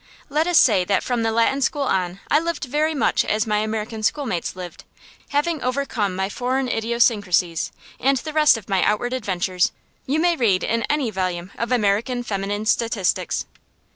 Let us say that from the Latin School on I lived very much as my American schoolmates lived, having overcome my foreign idiosyncrasies, and the rest of my outward adventures you may read in any volume of American feminine statistics.